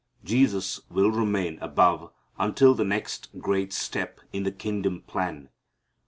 Jesus will remain above until the next great step in the kingdom plan.